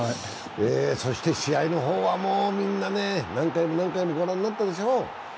そして試合の方はもうみんな何回も何回もご覧になったでしょう。